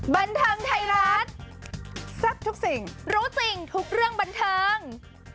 บันเทิงไทยรัฐแซ่บทุกสิ่งรู้จริงทุกเรื่องบันเทิง